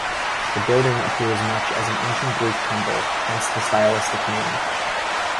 The building appears much as an ancient Greek temple, hence the stylistic name.